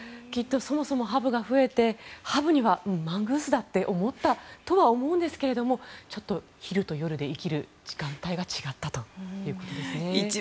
そもそもきっとハブが増えてハブにはマングースだって思ったとは思うんですがちょっと、昼と夜で生きる時間帯が違ったということですね。